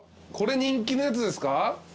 これ人気のやつですか？